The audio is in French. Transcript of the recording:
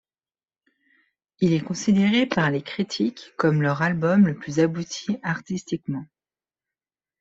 Il est considéré par les critiques comme leur album le plus abouti artistiquement.